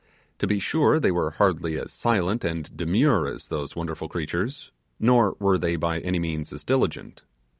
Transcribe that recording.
To be sure, they were hardly as silent and demure as those wonderful creatures, nor were they by any means as diligent.